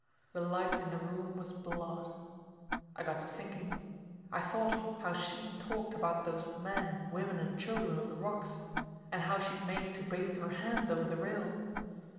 The light in the room was blood. I got to thinking. I thought how she'd talked about those men, women, and children on the rocks, and how she'd made to bathe her hands over the rail.